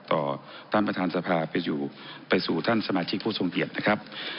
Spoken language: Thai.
ต่อท่านประธานสภาไปอยู่ไปสู่ท่านสมาชิกผู้ทรงเกียจนะครับ